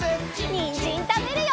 にんじんたべるよ！